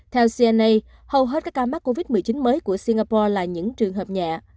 theo cnn hầu hết các ca mắc covid một mươi chín mới của singapore là những trường hợp nhẹ